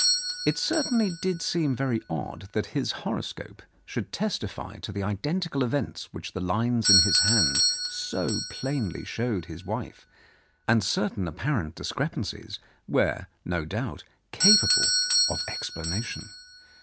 It certainly did seem very odd that his horoscope should testify to the identical events which the lines in his hand so plainly showed his wife, and certain appar ent discrepancies were no doubt capable of explana tion.